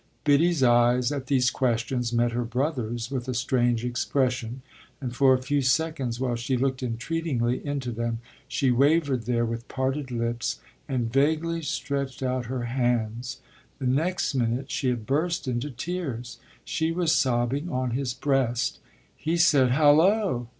Biddy's eyes, at these questions, met her brother's with a strange expression, and for a few seconds, while she looked entreatingly into them, she wavered there with parted lips and vaguely stretched out her hands. The next minute she had burst into tears she was sobbing on his breast. He said "Hallo!"